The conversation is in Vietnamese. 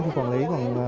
thì khoảng lấy khoảng